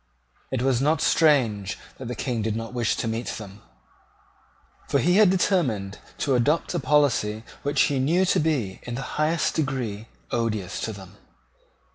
It was not strange that the King did not wish to meet them: for he had determined to adopt a policy which he knew to be, in the highest degree, odious to them.